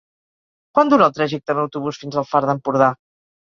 Quant dura el trajecte en autobús fins al Far d'Empordà?